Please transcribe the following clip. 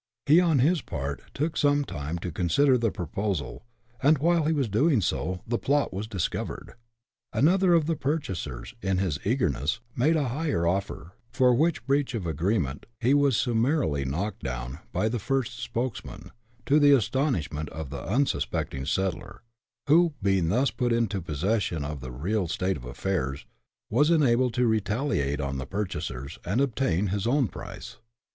He, on his part, took some time to consider the proposal, and while he was doing so, the plot was discovered. Another of the purchasers, in his eagerness, made a higher offer, for which breach of agreement he was summarily knocked down by the first spokesman, to the astonishment of the unsuspecting settler, who, being thus put into possession of the real state of affairs, was enabled to retaliate on the purchasers, and obtain his own price.